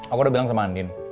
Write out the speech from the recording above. aku udah bilang sama andin